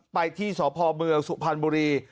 ไปที่สพสุพรรณบุรี